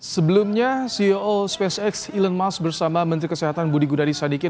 sebelumnya ceo spacex elon musk bersama menteri kesehatan budi gunadisadikin